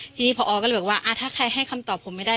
ทีนี้พอก็เลยบอกว่าถ้าใครให้คำตอบผมไม่ได้